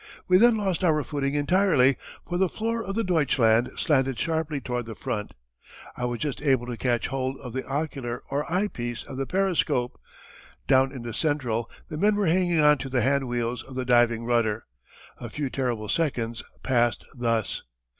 We then lost our footing entirely for the floor of the Deutschland slanted sharply toward the front. I was just able to catch hold of the ocular or eye piece of the periscope. Down in the central the men were hanging on to the hand wheels of the diving rudder. A few terrible seconds passed thus.